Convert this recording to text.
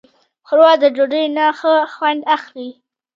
ښوروا د ډوډۍ نه ښه خوند اخلي.